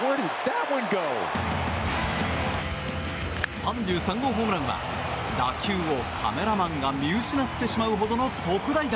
３３号ホームランは打球をカメラマンが見失ってしまうほどの特大弾。